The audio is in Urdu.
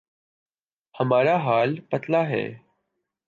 ہمارا حال پتلا ہے۔